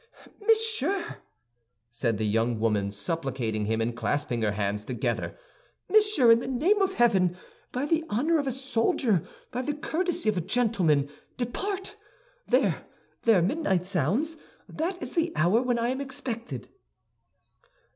"Monsieur!" said the young woman, supplicating him and clasping her hands together, "monsieur, in the name of heaven, by the honor of a soldier, by the courtesy of a gentleman, depart! There, there midnight sounds! That is the hour when I am expected."